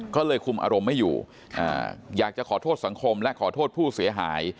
ก็เลยคุมอารมณ์ไม่อยู่อยากจะขอโทษสังคมและขอโทษผู้เสียหาย